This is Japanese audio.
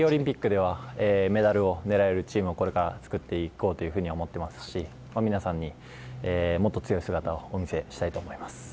メダルを狙えるチームをこれから作っていこうと思っていますし皆さんにもっと強い姿をお見せしたいと思います。